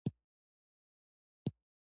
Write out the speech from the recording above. عصري تعلیم مهم دی ځکه چې اقتصادي وده سبب ګرځي.